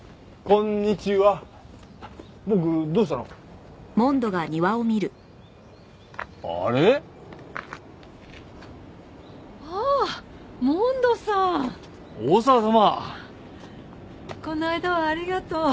この間はありがとう。